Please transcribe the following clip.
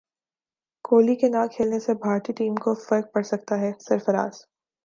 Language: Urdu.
کوہلی کے نہ کھیلنے سے بھارتی ٹیم کو فرق پڑسکتا ہے سرفراز